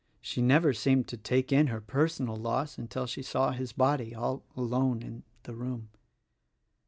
She never seemed to take in her personal loss until she. saw his body all alone in the room.